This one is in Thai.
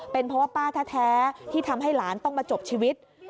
เป็นเพราะว่าป้าแท้ที่ทำให้หลานต้องมาจบชีวิต